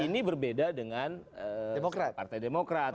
ini berbeda dengan partai demokrat